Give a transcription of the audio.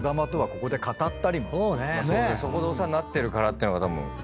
そこでお世話になってるからっていうのがたぶんでかいです。